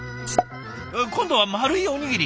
今度は丸いおにぎり。